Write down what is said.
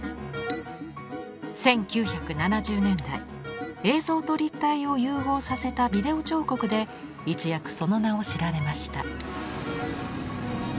１９７０年代映像と立体を融合させた「ビデオ彫刻」で一躍その名を知られました。